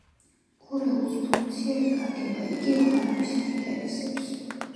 ორეულს ფუნქცია ეკარგება, იგი აღარავის აინტერესებს.